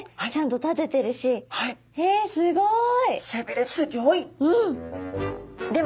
へえすごい！